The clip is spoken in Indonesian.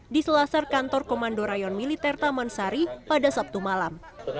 di selasar kantor komando rayon militer taman sari pada sabtu malam